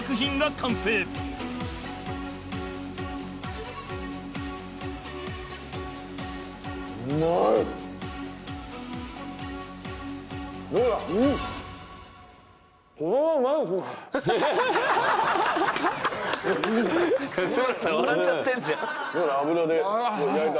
安村さん笑っちゃってんじゃん。